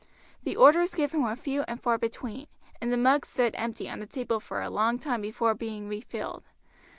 The orders given were few and far between, and the mugs stood empty on the table for a long time before being refilled.